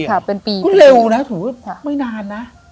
ก็เร็วนะถูกว่าไม่นานนะ